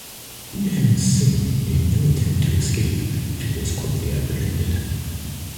Udham Singh made no attempt to escape and was quickly apprehended.